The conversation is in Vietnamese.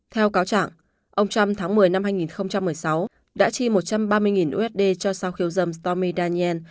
theo cáo trạng ông trump tháng một mươi năm hai nghìn một mươi sáu đã chi một trăm ba mươi usd cho sau khiêu dâm stomi daniel